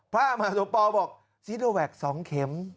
พระมหาสมปองบอกซิดูแหว็กท์สองเข็ม